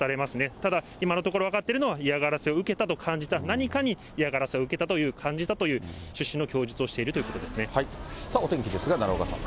ただ今のところ分かっているのは、嫌がらせを受けたと感じた、何かに嫌がらせを受けたと感じたという趣旨の供述をしているといお天気ですが、奈良岡さん。